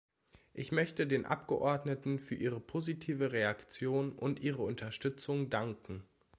Ich möchte den Abgeordneten für ihre positive Reaktion und ihre Unterstützung danken.